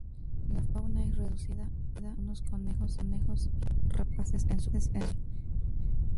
La fauna es reducida: algunos conejos, y aves rapaces en su cumbre.